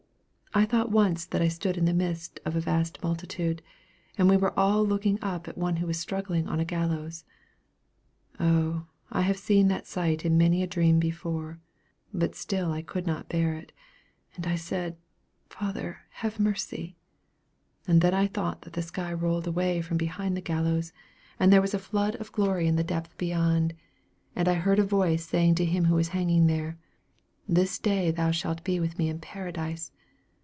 I thought once that I stood in the midst of a vast multitude, and we were all looking up at one who was struggling on a gallows. O, I have seen that sight in many a dream before, but still I could not bear it, and I said, 'Father, have mercy;' and then I thought that the sky rolled away from behind the gallows, and there was a flood of glory in the depth beyond; and I heard a voice saying to him who was hanging there, 'This day shalt thou be with me in Paradise!'